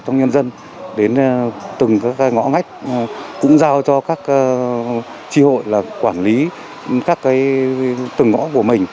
cho nhân dân đến từng ngõ ngách cũng giao cho các tri hội quản lý các từng ngõ của mình